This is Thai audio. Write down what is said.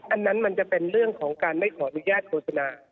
อันนั้นมันจะเป็นเรื่องของการไม่ขออนุญาตโฆษณา